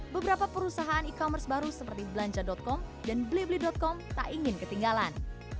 beberapa perusahaan e commerce baru seperti belanja com dan blibli com tak ingin ketinggalan